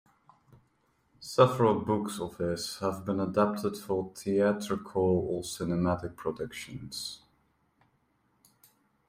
Several books of his have been adapted for theatrical or cinematic productions.